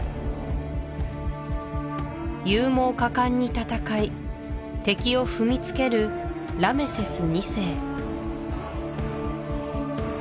勇猛果敢に戦い敵を踏みつけるラメセス２世